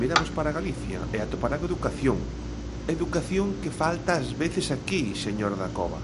Miramos para Galicia e atoparán educación; educación que falta ás veces aquí, señor Dacova.